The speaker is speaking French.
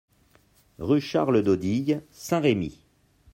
Rue Charles Dodille, Saint-Rémy